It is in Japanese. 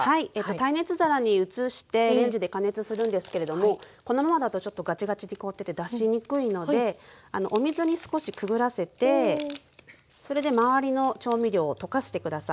耐熱皿に移してレンジで加熱するんですけれどもこのままだとガチガチに凍ってて出しにくいのでお水に少しくぐらせてそれで周りの調味料をとかして下さい。